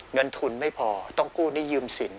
เงินทุนไม่พอต้องกู้หนี้ยืมสิน